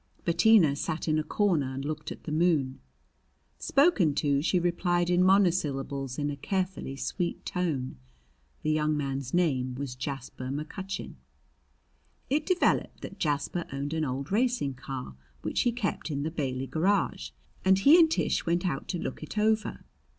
Bettina sat in a corner and looked at the moon. Spoken to, she replied in monosyllables in a carefully sweet tone. The young man's name was Jasper McCutcheon. It developed that Jasper owned an old racing car which he kept in the Bailey garage, and he and Tish went out to look it over.